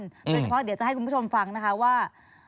โดยเฉพาะเดี๋ยวจะให้คุณผู้ชมฟังนะคะว่า